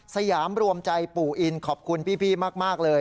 สยามรวมใจปู่อินขอบคุณพี่มากเลย